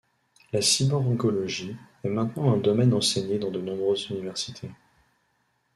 La Cyborgologie est maintenant un domaine enseigné dans de nombreuses universités.